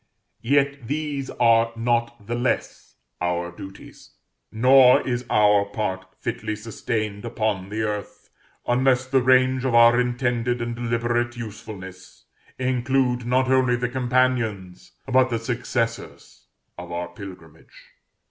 Yet these are not the less our duties; nor is our part fitly sustained upon the earth, unless the range of our intended and deliberate usefulness include not only the companions, but the successors, of our pilgrimage.